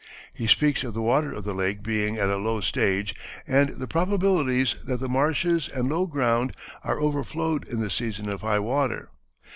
He speaks of the water of the lake being at a low stage and the probabilities that the marshes and low ground are overflowed in the season of high water.